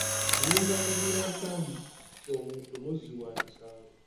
Nnyinza kuzuula ntya nti omuntu muzzi wa misango?